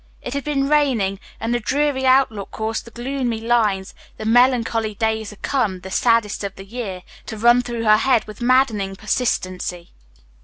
It had been raining, and the dreary outlook caused the gloomy lines, "The melancholy days are come, the saddest of the year," to run through her head with maddening persistency.